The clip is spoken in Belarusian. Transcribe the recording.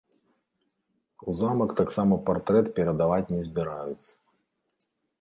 У замак таксама партрэт перадаваць не збіраюцца.